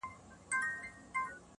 او هم بل ته بیانیدی شي